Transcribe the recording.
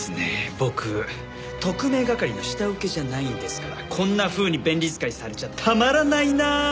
僕特命係の下請けじゃないんですからこんなふうに便利使いされちゃたまらないな！